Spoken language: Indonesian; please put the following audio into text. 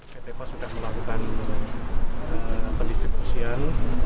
ktpo sudah melakukan pendistribusian